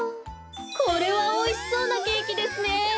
これはおいしそうなケーキですね。